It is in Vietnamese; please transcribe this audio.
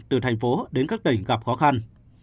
từ thành phố đến các tỉnh gặp khó khăn